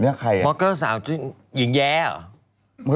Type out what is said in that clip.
เนี่ยใครอะบล็อกเกอร์สาวชื่อหญิงแย้เหรอ